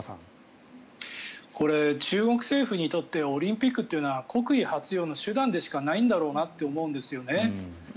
これ、中国政府にとってはオリンピックというのは国威発揚の手段でしかないんだろうなと思うんですね。